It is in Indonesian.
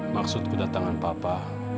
maksud kedatangan papa